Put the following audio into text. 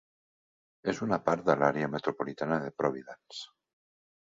És una part de l'àrea metropolitana de Providence.